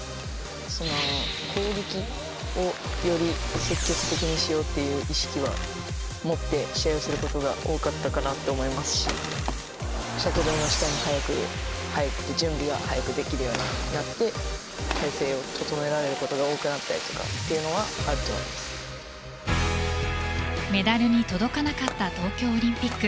攻撃をより積極的にしようという意識は持って試合をすることが多かったかなと思いますしシャトルの下に早く入って準備が早くできるようにやって体勢を整えられることが多くなったというのはあるとメダルに届かなかった東京オリンピック。